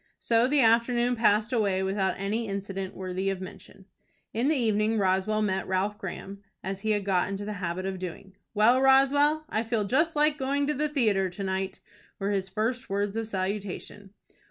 So the afternoon passed away without any incident worthy of mention. In the evening Roswell met Ralph Graham, as he had got into the habit of doing. "Well, Roswell, I feel just like going to the theatre to night," were his first words of salutation.